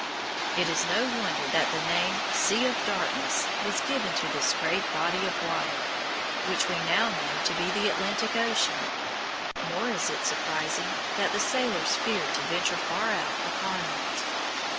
It is no wonder that the name "Sea of Darkness" was given to this great body of water, which we now know to be the Atlantic Ocean; nor is it surprising that the sailors feared to venture far out upon it.